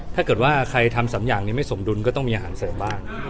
ถ้าเกิดว่าใครทำ๓อย่างนี้ไม่สมดุลก็ต้องมีอาหารเสริมบ้าง